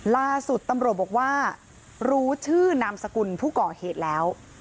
ล่าสุดตำรวจบอกว่ารู้ชื่อนามสกุลผู้ก่อเหตุแล้ว